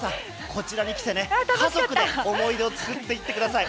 こちらに来て家族で思い出を作っていってください。